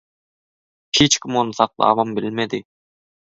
Hiç kim ony saklabam bilmedi.